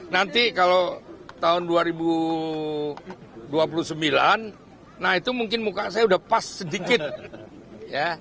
nanti kalau tahun dua ribu dua puluh sembilan nah itu mungkin muka saya udah pas sedikit ya